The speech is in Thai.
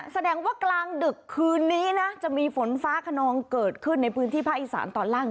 แสดงว่ากลางดึกคืนนี้นะจะมีฝนฟ้าขนองเกิดขึ้นในพื้นที่ภาคอีสานตอนล่าง